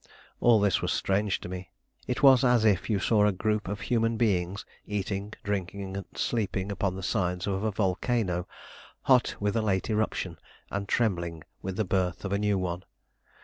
All this was strange to me. It was as if you saw a group of human beings eating, drinking, and sleeping upon the sides of a volcano hot with a late eruption and trembling with the birth of a new one.